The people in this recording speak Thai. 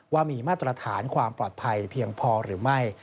ว่ามีมาตรฐานความปลอดภัยเพียงพอหรือไม่